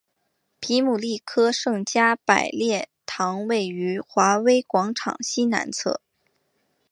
皮姆利科圣加百列堂位于华威广场西南侧。